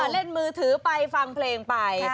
เล่นมือถือไปฟังเพลงไป